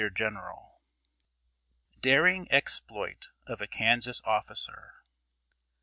[Sidenote: DARING EXPLOIT OF A KANSAS OFFICER.